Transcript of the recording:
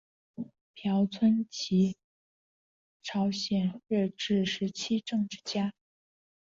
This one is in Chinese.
朴春琴朝鲜日治时期政治家。